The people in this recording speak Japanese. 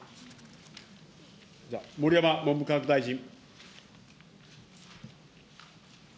盛山文部科学大臣。